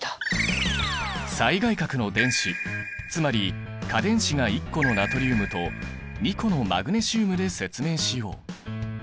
最外殻の電子つまり価電子が１個のナトリウムと２個のマグネシウムで説明しよう。